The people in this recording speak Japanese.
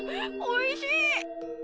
おいしい！